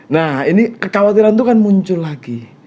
nah ini kekhawatiran itu kan muncul lagi